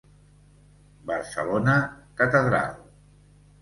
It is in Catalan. Barcelona, Catedral.